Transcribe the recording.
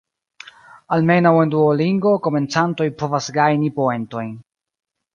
Almenaŭ en Duolingo, komencantoj povas gajni poentojn.